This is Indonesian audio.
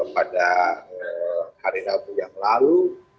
pada hari rabu yang lalu